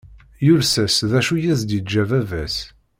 Yules-as d acu i as-d-yeǧǧa baba-s.